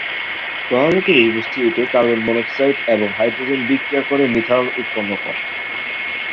প্রভাবকের উপস্থিতিতে carbon monoxide এবং hydrogen বিক্রিয়া করে মিথানল উৎপন্ন করে।